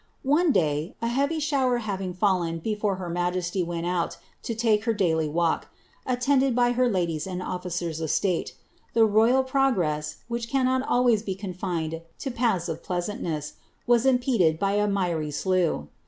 One day, a heavy having fallen before her majesty went out to take her dailv wall ed by her ladies and officers of swte, the royal progress, whici always be confined to paths of pleasantness, was impeded b] slough.